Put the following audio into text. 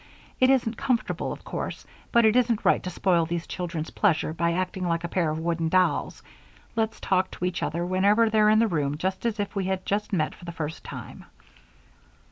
It isn't comfortable, of course, but it isn't right to spoil those children's pleasure by acting like a pair of wooden dolls. Let's talk to each other whenever they're in the room just as if we had just met for the first time."